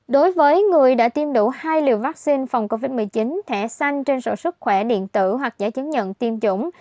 đối với người đã tiêm đủ hai liều vaccine phòng covid một mươi chín thẻ xanh trên sổ sức khỏe điện tử hoặc giấy chứng nhận tiêm chủng